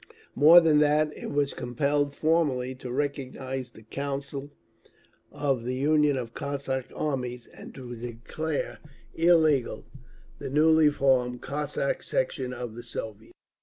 More than that, it was compelled formally to recognise the Council of the Union of Cossack Armies, and to declare illegal the newly formed Cossack Section of the Soviets….